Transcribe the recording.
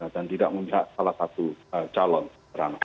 dan tidak mempunyai salah satu calon terang